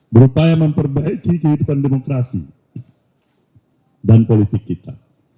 berupaya memperbaiki kehidupan demokrasi dan politik kita